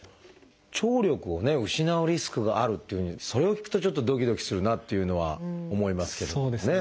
聴力を失うリスクがあるっていうふうにそれを聞くとちょっとドキドキするなあっていうのは思いますけどもね。